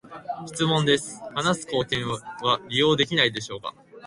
質問です、話す貢献は利用できないのでしょうか？